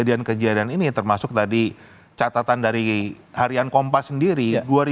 dan kejadian ini termasuk tadi catatan dari harian kompas sendiri